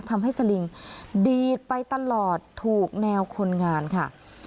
สลิงดีดไปตลอดถูกแนวคนงานค่ะ